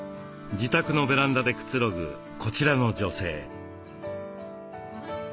自宅のベランダでくつろぐこちらの女性。